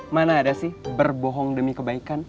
mana ada sih berbohong demi kebaikan